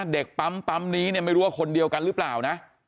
เด็กปั๊มนี้เนี่ยไม่รู้ว่าคนเดียวกันหรือเปล่านะ